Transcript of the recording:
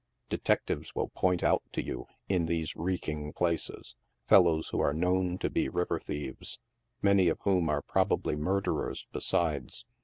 Detectives will point out to you, in these reeking places, fellows who are known to he river thieves, many of whom are probably murderers besides.